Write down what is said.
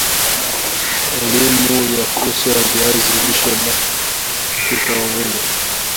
Elimu ya fursa za viazi lishe bado hazija wafikia wakulima wengi